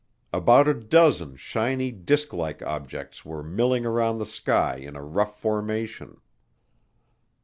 About a dozen shiny disklike objects were "milling around the sky in a rough formation."